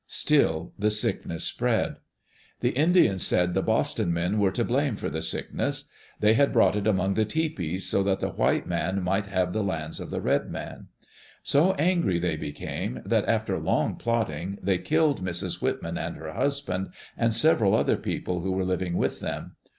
Still the sickness spread. The Indians said the "Boston men" were to blame for the sickness. They had brought it among the tepees so that the white man might have the lands of the red man. So angry they became that, after long plotting, they killed Digitized by CjOOQ IC THE ADVENTURES OF THE WHITMANS Mrs. Whitman and her husband, and several other peo ple who were living with them.